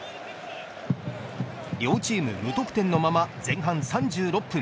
両チーム無得点のまま前半３６分。